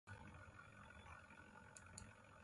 کݨےب دار مُشے پرِید کھر وزنَن۔